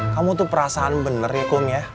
kamu tuh perasaan bener ya kum ya